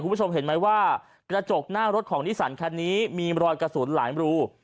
คุณผู้ชมเห็นไหมว่ากระจกหน้ารถของนิสันคันนี้มีรอยกระสุนหลายรู